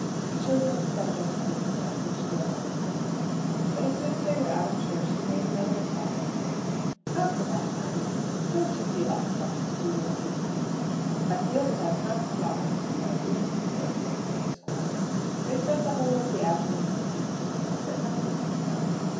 He chose any subject other than that of which Gilmore was thinking. But as soon as they were out of church he made another attack upon him. "After that, Harry, don't you feel like trying to do your duty?" "I feel that I can't fly because my wing is broken," said the Squire. They spent the whole of the afternoon and evening together, but no good was done.